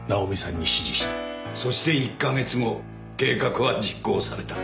そして１か月後計画は実行された。